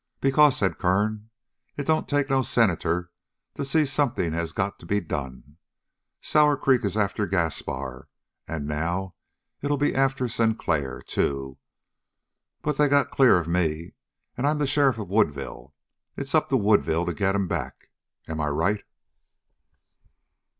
"Because," said Kern, "it don't take no senator to see that something has got to be done. Sour Creek is after Gaspar, and now it'll be after Sinclair, too. But they got clear of me, and I'm the sheriff of Woodville. It's up to Woodville to get 'em back. Am I right?"